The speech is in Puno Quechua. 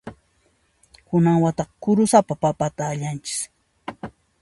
Kunan wataqa kurusapa papata allanchis.